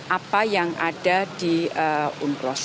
apa yang ada di unclos